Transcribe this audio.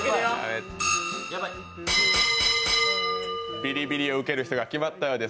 ビリビリを受ける人が決まったようです。